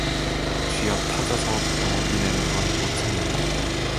쥐어 터져서 병원비 내는 건 못 참는다